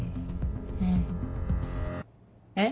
うん。えっ？